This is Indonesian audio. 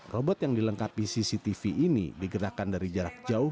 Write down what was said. robot yang dilengkapi cctv ini digerakkan dari jarak jauh